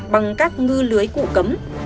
bằng các ngư lưới cụ cấm